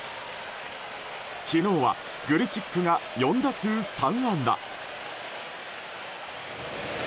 昨日はグリチックが４打数３安打。